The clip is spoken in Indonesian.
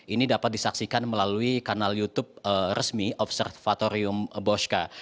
ini dapat disaksikan melalui kanal youtube resmi observatorium bosca